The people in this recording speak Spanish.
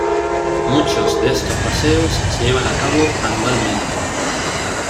Muchos de estos paseos se llevan a cabo anualmente.